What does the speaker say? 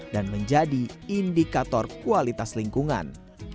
dan menjadi indikator kualitas lingkungan